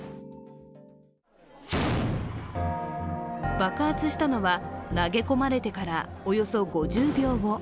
爆発したのは、投げ込まれてからおよそ５０秒後。